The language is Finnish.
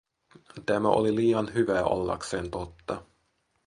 Tämä oli liian hyvää ollakseen totta.